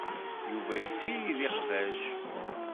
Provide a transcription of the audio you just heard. Yuba yessirid iqbac.